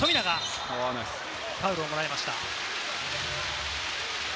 ファウルをもらいました。